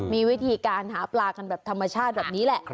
มีวิธีการหาปลากันแบบธรรมชาติแบบนี้แหละ